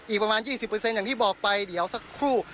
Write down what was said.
อีกประมาณยี่สิบเปอร์เซ็นต์อย่างที่บอกไปเดี๋ยวสักคู่